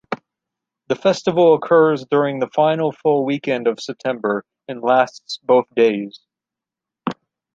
The festival occurs during the final full weekend of September, and lasts both days.